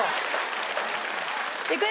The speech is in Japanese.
いくよ？